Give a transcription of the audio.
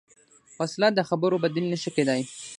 وسله د خبرو بدیل نه شي کېدای